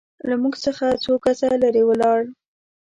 له موږ څخه څو ګزه لرې ولاړ.